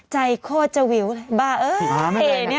ใจโคตรจะวิวบ้าเอ้ยเท่นี่